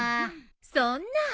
そんな！